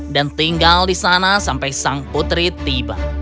dan tinggal di sana sampai sang putri tiba